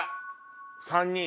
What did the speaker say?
３人。